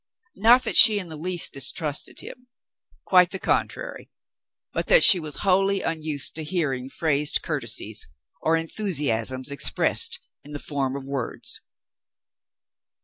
Not that she in the least distrusted him, quite the contrary, but that she was wholly unused to hearing phrased cour tesies, or enthusiasms expressed in the form of words.